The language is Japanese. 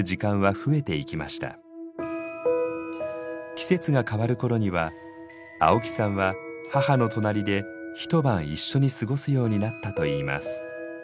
季節が変わる頃には青木さんは母の隣で一晩一緒に過ごすようになったといいます。